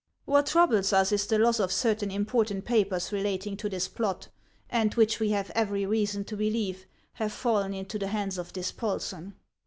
What troubles us is the loss of certain im portant papers relating to this plot, and which we have every reason to believe have fallen into the hands of Dis polsen.